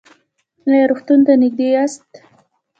ایا روغتون ته نږدې یاست؟